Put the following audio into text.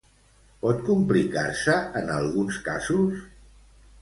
Pot complicar-se en alguns casos?